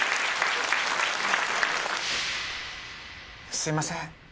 すいません